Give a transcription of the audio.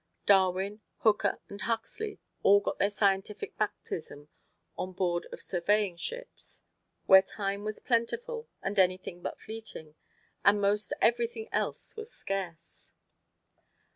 Darwin, Hooker and Huxley, all got their scientific baptism on board of surveying ships, where time was plentiful and anything but fleeting, and most everything else was scarce.